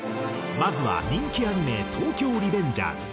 まずは人気アニメ『東京リベンジャーズ』。